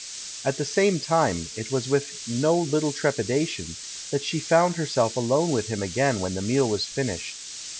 At the same time, it was with no httle trepida tion that she found herself alone with him again when the meal was finished.